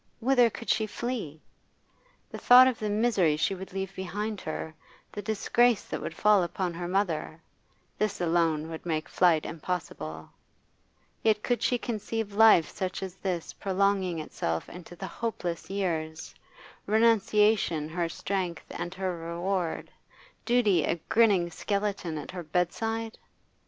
whither could she flee? The thought of the misery she would leave behind her, the disgrace that would fall upon her mother this would alone make flight impossible. Yet could she conceive life such as this prolonging itself into the hopeless years, renunciation her strength and her reward, duty a grinning skeleton at her bedside?